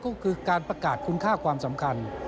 ก็คือการประกาศคุณค่าความสำคัญ